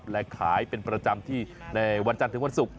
และขายเป็นประจำที่ในวันจันทร์ถึงวันศุกร์